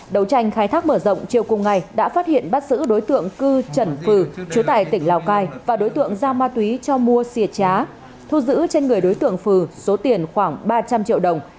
đầu tranh khai thác mở rộng chiều cùng ngày đã phát hiện bắt giữ đối tượng cư trần phừ chú tại tỉnh lào cai và đối tượng giao ma túy cho mua siết trá thu giữ trên người đối tượng phừ số tiền khoảng ba trăm linh triệu đồng